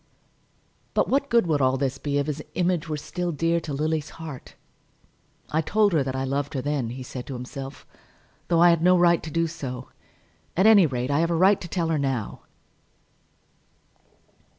But what good would all this be if his image were still dear to Lily's heart? "I told her that I loved her then," he said to himself, "though I had no right to do so. At any rate I have a right to tell her now."